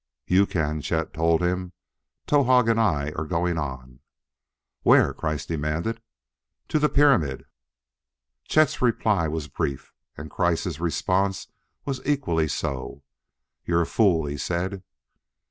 "You can," Chet told him; "Towahg and I are going on." "Where?" Kreiss demanded. "To the pyramid." Chet's reply was brief, and Kreiss' response was equally so. "You're a fool," he said.